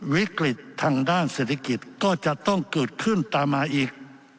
วิกฤตทางด้านเศรษฐกิจก็จะต้องเกิดขึ้นตามมาอีก